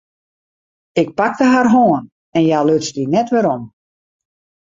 Ik pakte har hân en hja luts dy net werom.